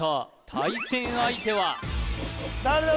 対戦相手は誰だ？